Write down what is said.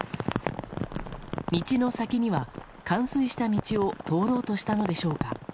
道の先には、冠水した道を通ろうとしたのでしょうか。